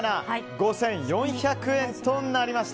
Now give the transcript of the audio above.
５４００円となりました。